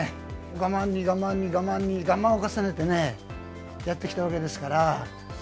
我慢に我慢に我慢に我慢を重ねてね、やってきたわけですから。